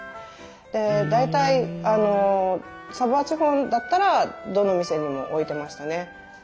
で大体サヴォワ地方だったらどの店にも置いてましたね。